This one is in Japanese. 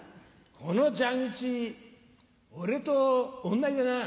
この蛇口俺と同じだな。